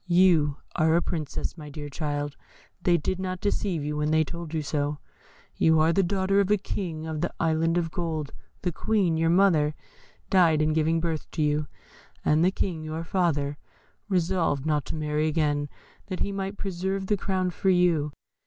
You are a Princess, my dear child; they did not deceive you when they told you so; you are the daughter of the King of the Island of Gold; the Queen, your mother, died in giving birth to you, and the King, your father, resolved not to marry again, that he might preserve the crown for you.